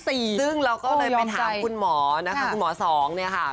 ซึ่งเราก็เลยไปถามคุณหมอนะคะคุณหมอสองเนี่ยค่ะ